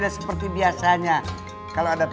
kalau begitu biar abang aja yang angkat